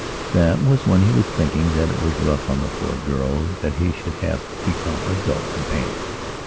That was when he was thinking that it was rough on the poor girl that he should have become a dull companion.